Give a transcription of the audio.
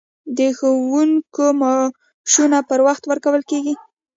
د ښوونکو معاشونه پر وخت ورکول کیږي؟